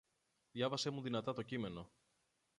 Διάβασέ μου δυνατά το κείμενο.